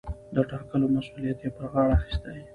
د ټاکلو مسووليت يې پر غاړه اخىستى.